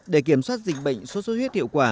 để kiểm soát dịch bệnh sốt xuất huyết hiệu quả